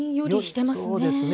そうですね。